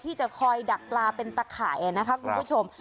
ที่จะคอยดักปลาเป็นตะข่ายนะคะคุณผู้ชม